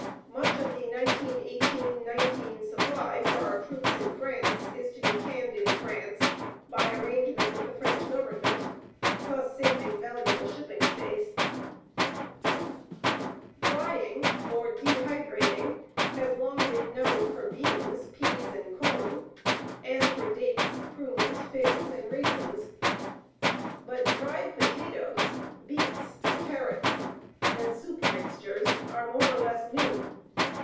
Much of the 1918 19 supply for our troops in France is to be canned in France, by arrangement with the French Government, thus saving valuable shipping space. Drying, or dehydrating, has long been known for beans, peas, and corn, and for dates, prunes, figs, and raisins. But dried potatoes, beets, carrots, and "soup mixtures" are more or less new.